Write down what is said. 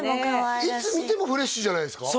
いつ見てもフレッシュじゃないですか？